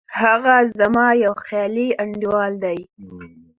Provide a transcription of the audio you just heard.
هغه زما یو خیالي انډیوال دی